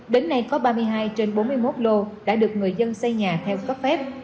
đến nay có ba mươi hai trên bốn mươi một lô đã được người dân xây nhà theo cấp phép